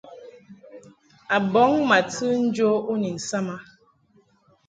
A bɔŋ ma tɨ njo u ni nsam a.